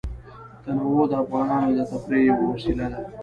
تنوع د افغانانو د تفریح یوه وسیله ده.